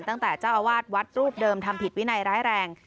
ตั้งแต่เจ้าอาวาสวัดรูปเดิมทำผิดวินัยร้ายแรง